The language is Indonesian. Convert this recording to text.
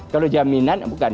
kalau jaminan bukan